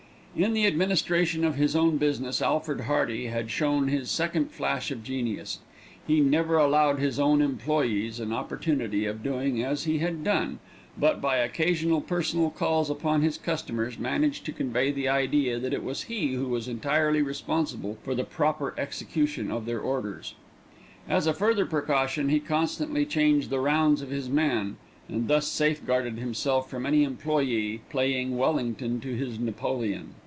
In the administration of his own business Alfred Hearty had shown his second flash of genius he never allowed his own employés an opportunity of doing as he had done, but, by occasional personal calls upon his customers, managed to convey the idea that it was he who was entirely responsible for the proper execution of their orders. As a further precaution he constantly changed the rounds of his men, and thus safeguarded himself from any employé playing Wellington to his Napoleon.